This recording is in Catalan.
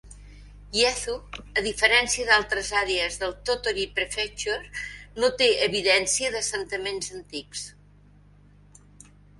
Hiezu, a diferència d'altres àrees de Tottori Prefecture, no té evidència d'assentaments antics.